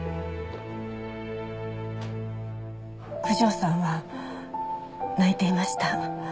九条さんは泣いていました。